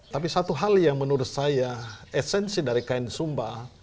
tapi satu hal yang menurut saya esensi dari kain sumba